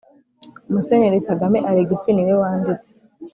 - musenyeri kagame alegisi ni we wanditse